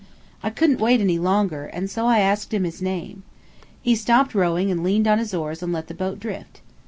I couldn't wait any longer, and so I asked him his name. He stopped rowing and leaned on his oars and let the boat drift.